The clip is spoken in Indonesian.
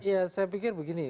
ya saya pikir begini